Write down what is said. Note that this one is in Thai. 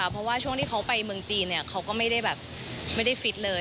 เพราะว่าช่วงที่เขาไปเมืองจีนเขาก็ไม่ได้แบบไม่ได้ฟิตเลย